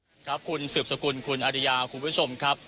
สวัสดีครับคุณสืบสกุลคุณอริยาคุณผู้ชมครับ